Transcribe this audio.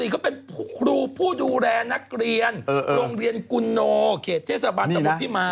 เขาเป็นครูผู้ดูแลนักเรียนโรงเรียนกุโนเขตเทศบาลตะบนพิมาย